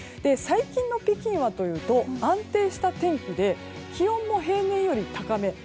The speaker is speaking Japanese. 最近の北京はというと安定した天気で気温も平年より高め。